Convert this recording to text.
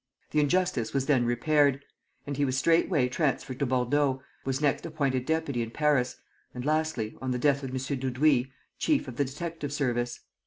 The injustice was then repaired; and he was straightway transferred to Bordeaux, was next appointed deputy in Paris, and lastly, on the death of M. Dudouis, chief of the detective service.